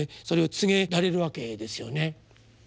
それを告げられるわけですよね。